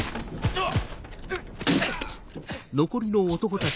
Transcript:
あっ！